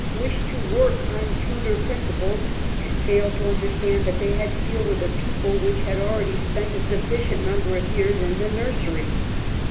wished to work on Tudor principles, and failed to understand that they had to deal with a people which had already spent a suflftcient number of years in the nursery.